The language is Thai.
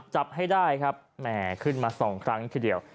จับให้ได้ครับแหมขึ้นมา๒ครั้งทีเดียว